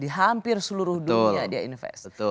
di hampir seluruh dunia dia investasi